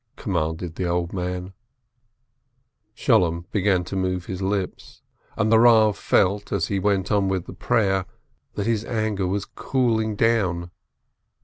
commanded the old man. Sholem began to move his lips. And the Eav felt, as he went on with the prayer, that this anger was cool 29 446 NAUMBERG ing down.